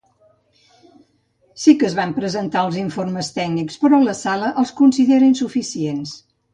“Sí que es van presentar els informes tècnics, però la sala els considera insuficients”.